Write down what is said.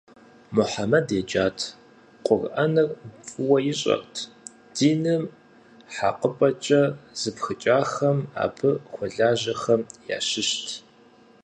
Мухьэмэд еджат, Къурӏэнр фӏыуэ ищӏэрт, диныр хьэкъыпӏэкӏэ зыпхыкӏахэм, абы хуэлажьэхэм ящыщт.